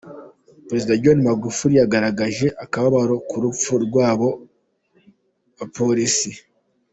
Prezida John Magufuli yagaragaje akababaro ku rupfu rwabo bapolisi.